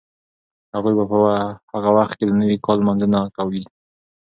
هغوی به په هغه وخت کې د نوي کال لمانځنه کوي.